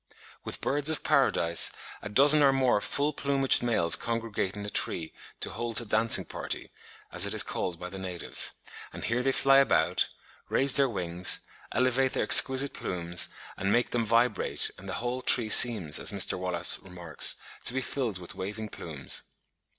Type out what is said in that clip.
With birds of paradise a dozen or more full plumaged males congregate in a tree to hold a dancing party, as it is called by the natives: and here they fly about, raise their wings, elevate their exquisite plumes, and make them vibrate, and the whole tree seems, as Mr. Wallace remarks, to be filled with waving plumes.